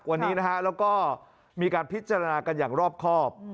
วันนี้นะฮะแล้วก็มีการพิจารณากันอย่างรอบครอบ